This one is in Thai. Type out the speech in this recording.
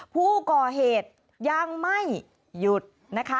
ผู้ก่อเหตุยังไม่หยุดนะคะ